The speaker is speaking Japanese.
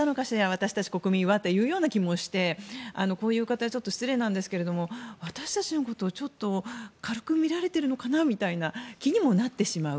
私たち国民は、という気もしてこういう言い方は失礼ですが私たちのことをちょっと軽く見られているのかなという気にもなってしまう。